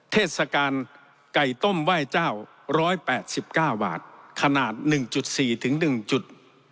เทศกาลไก่ต้มไหว้เจ้าร้อยแปดสิบก้าวาทขนาดหนึ่งจุดสี่ถึงหนึ่งจุด